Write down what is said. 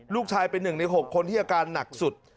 ลูกชายเป็น๑ใน๖คนที่อาการหนักสุด